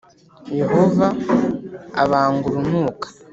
Yehova abanga urunuka